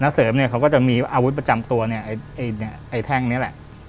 เสริมเนี่ยเขาก็จะมีอาวุธประจำตัวเนี่ยไอ้แท่งนี้แหละ